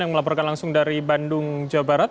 yang melaporkan langsung dari bandung jawa barat